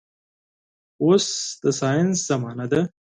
اوس د ساينس زمانه ده